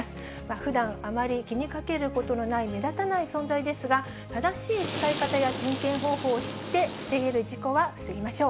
ふだんあまり気にかけることのない、目立たない存在ですが、正しい使い方や点検方法を知って、防げる事故は防ぎましょう。